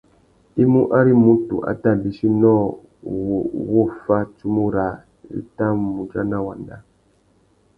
I mú ari mutu a tà bîchi nôō wu wô fá tsumu râā i tà mù udjana wanda.